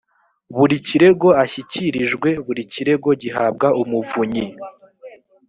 buri kirego ashyikirijwe buri kirego gihabwa umuvunyi